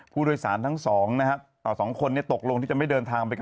ไปกับเครื่องบินลำนี้ก็ไม่น่าจะเดินห่างได้